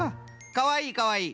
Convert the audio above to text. かわいいかわいい。